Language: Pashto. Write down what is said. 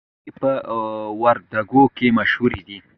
مڼې په وردګو کې مشهورې دي